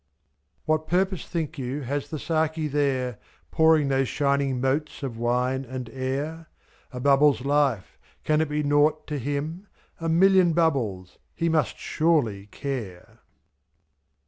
What purpose think you has the Saki there. Pouring those shining motes of wine and air ? /i^A bubble's life — can it be nought to him? A million bubbles — he must surely care!